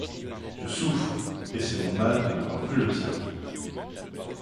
Je souffre, et c'est mon mal de n'avoir plus le tien.